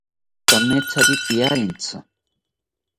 Kamethari piarentzi